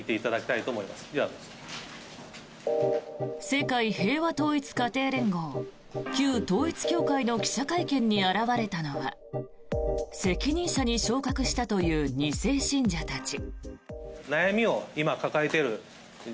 世界平和統一家庭連合旧統一教会の記者会見に現れたのは責任者に昇格したという２世信者たち。